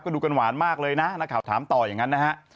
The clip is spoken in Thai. ดูกันหวานมากเลยนะนักข่าวถามต่ออย่างนั้นนะฮะ